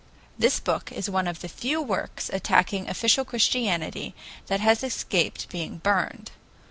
This book is one of the few works attacking official Christianity which has escaped being burned.